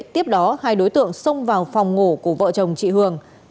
tiếp đó hai đối tượng xông vào phòng ngủ của vợ chồng chị hường